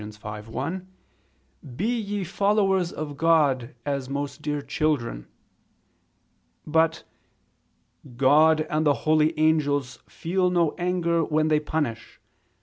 5:1): "Be ye followers of God, as most dear children." But "God and the holy angels feel no anger when they punish